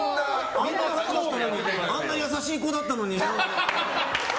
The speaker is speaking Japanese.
あんな優しい子だったのに。